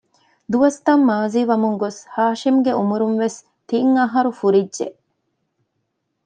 ދުވަސްތައް މާޒީވަމުންގޮސް ހާޝިމްގެ އުމުރުންވެސް ތިން އަހަރު ފުރިއްޖެ